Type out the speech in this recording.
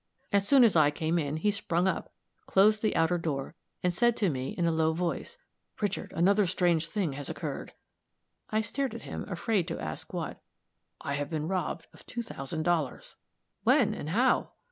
As soon as I came in, he sprung up, closed the outer door, and said to me, in a low voice, "Richard, another strange thing has occurred." I stared at him, afraid to ask what. "I have been robbed of two thousand dollars." "When and how?"